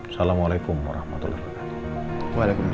assalamualaikum warahmatullahi wabarakatuh